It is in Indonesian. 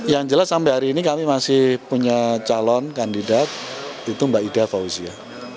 yang jelas sampai hari ini kami masih punya calon kandidat itu mbak ida fauzia